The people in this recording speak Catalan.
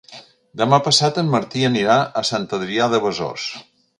Demà passat en Martí anirà a Sant Adrià de Besòs.